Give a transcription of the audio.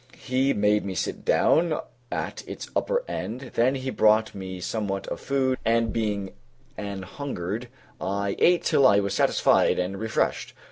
He made me sit down at its upper end; then he brought me somewhat of food, and, being anhungered, I ate till I was satisfied and refreshed.